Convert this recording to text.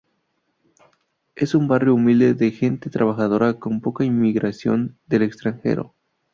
Es un barrio humilde de gente trabajadora, con poca inmigración del extranjero.